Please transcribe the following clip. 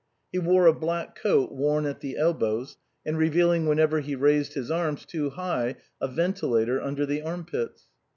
He wore a black coat worn at the elbows, and revealing whenever he raised his arm too high a ventilator under the armpits.